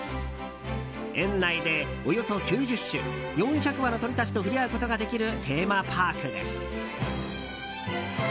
園内で、およそ９０種４００羽の鳥たちと触れ合うことができるテーマパークです。